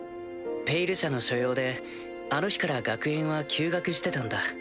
「ペイル社」の所用であの日から学園は休学してたんだ。